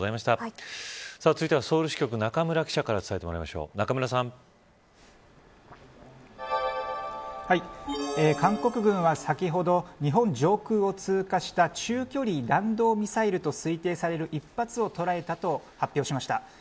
続いてはソウル支局仲村記者から韓国軍は先ほど日本上空を通過した中距離弾道ミサイルと推定される１発を捉えたと発表しました。